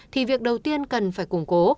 thì việc đầu tiên cần phải củng cố